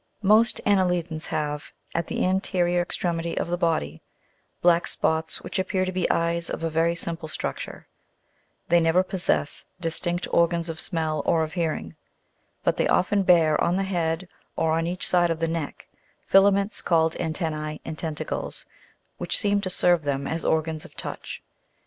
4. Most anne'lidans have, at the anterior extremity of the body, black spots which appear to be eyes of a very simple structure : they never possess distinct organs of smell or of hearing ; but they often bear on the head, or on each side of the neck, fila ments called antennse and tentacles, which seem to serve them as organs of touch.